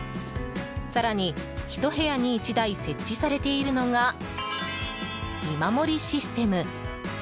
更に、１部屋に１台設置されているのが見守りシステム。